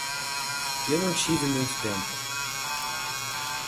Eu não tive muito tempo.